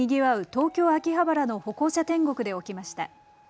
東京秋葉原の歩行者天国で起きました。